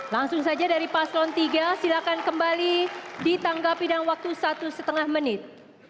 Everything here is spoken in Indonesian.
langsung saja dari paslon tiga silahkan kembali di tangga pidang waktu satu setengah menit